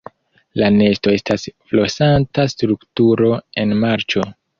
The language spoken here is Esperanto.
La nesto estas flosanta strukturo en marĉo.